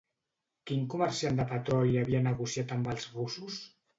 Quin comerciant de petroli havia negociat amb els russos?